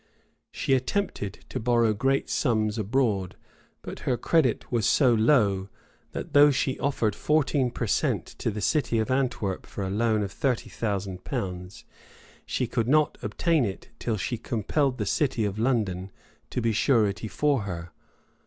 She attempted to borrow great sums abroad; but her credit was so low, that though she offered fourteen per cent to the city of Antwerp for a loan of thirty thousand pounds, she could not obtain it till she compelled the city of London to be surety for her.